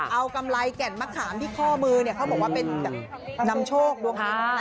เอากำไรแก่นมะขามที่ข้อมือเนี่ยเขาบอกว่าเป็นนำโชคดวงดี